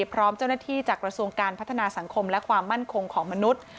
พร้อมเจ้าหน้าที่จากกระทรวงการพัฒนาสังคมและความมั่นคงของมนุษย์